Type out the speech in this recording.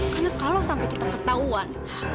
karena kalau sampai kita ketahuan